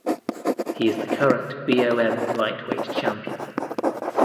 He is the current BoM Lightweight champion.